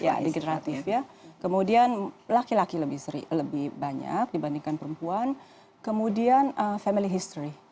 ya degeneratif ya kemudian laki laki lebih banyak dibandingkan perempuan kemudian family history